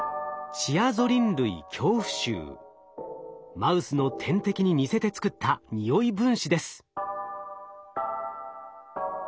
マウスの天敵に似せてつくったにおい分子です。